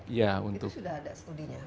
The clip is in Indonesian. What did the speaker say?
itu sudah ada studinya